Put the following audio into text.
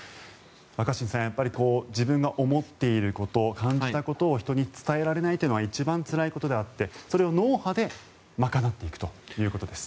若新さん、やっぱり自分が思っていること感じたことを人に伝えられないというのは一番つらいことであってそれを脳波で賄っていくということです。